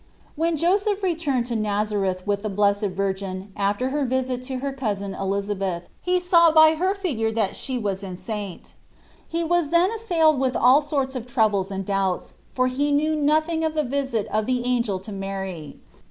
When Joseph returned to Nazareth with the Blessed Virgin after her visit to her cousin Elizabeth, he saw by her figure that she was enceinte. He was then assailed with all sorts of troubles and doubts, for he knew nothing of the visit of the angel to Mary.